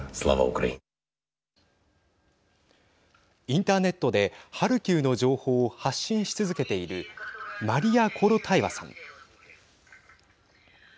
インターネットでハルキウの情報を発信し続けているマリア・コロタエワさん。